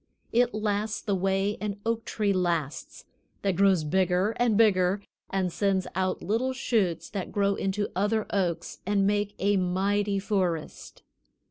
It lasts the way an oak tree lasts, that grows bigger and bigger and sends out little shoots that grow into other oaks and make a mighty forest.